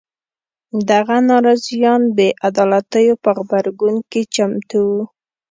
دغه ناراضیان بې عدالیتو په غبرګون کې چمتو وو.